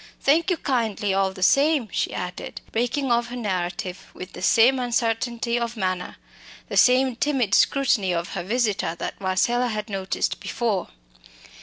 Thank you kindly, all the same," she added, breaking off her narrative with the same uncertainty of manner, the same timid scrutiny of her visitor that Marcella had noticed before.